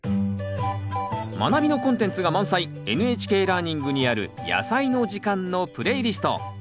「まなび」のコンテンツが満載「ＮＨＫラーニング」にある「やさいの時間」のプレイリスト。